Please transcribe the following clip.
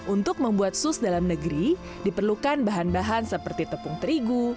untuk membuat sus dalam negeri diperlukan bahan bahan seperti tepung terigu